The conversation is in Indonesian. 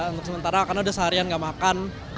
untuk sementara karena udah seharian nggak makan